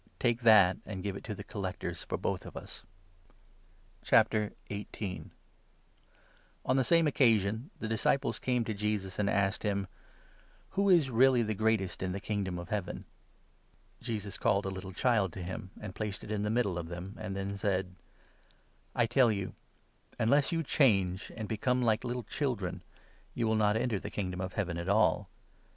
Take that, and give it to the collectors for both of us. " on On the same occasion the dfsciples came to i Humility. Jesus, and asked him : "Who is really the greatest in the Kingdom of Heaven?" Jesus called a little child to him, and placed it in the middle of 2 them, and then said : 3 "I tell you, unless you change and become like little children, you will not enter the Kingdom of Heaven at all.